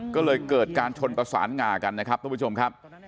ก็เลยเกิดการชนประสานงากันนะครับทุกผู้ชมครับ